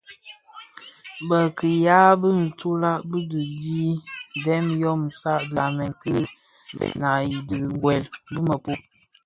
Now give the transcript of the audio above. Bi kiyaň ki ntulag ti bi dhi dhen yom a saad bi tsamèn ki bena yi diňzi wuèl i mëpud.